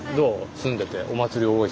住んでて。